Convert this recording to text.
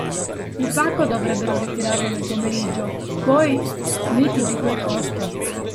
Il pacco dovrebbero ritirarlo nel pomeriggio, poi mi ti dico il costo.